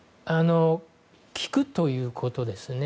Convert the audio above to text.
聞くということですよね。